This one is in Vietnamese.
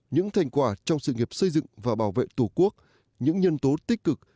những thành quả trong sự nghiệp xây dựng và bảo vệ tổ quốc những nhân tố tích cực